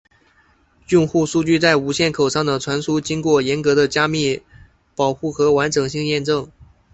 用户数据在无线口上的传输经过严格的加密保护和完整性验证。